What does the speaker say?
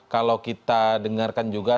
kalau kita dengarkan juga